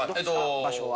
場所は。